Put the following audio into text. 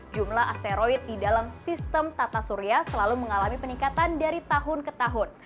jumlah asteroid di dalam sistem tata surya selalu mengalami peningkatan dari tahun ke tahun